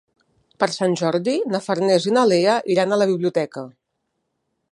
Per Sant Jordi na Farners i na Lea iran a la biblioteca.